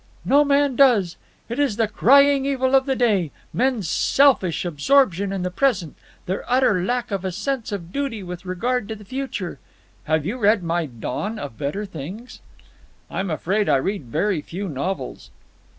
"No man does. It is the crying evil of the day, men's selfish absorption in the present, their utter lack of a sense of duty with regard to the future. Have you read my 'Dawn of Better Things'?" "I'm afraid I read very few novels."